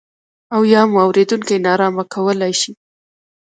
او یا مو اورېدونکي نا ارامه کولای شي.